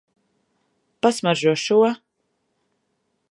Pasmaržo šo.